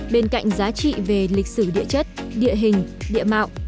bên cạnh giá trị về lịch sử địa chất địa hình địa mạo